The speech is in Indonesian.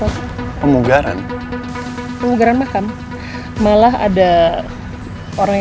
aku harus kasih tau randy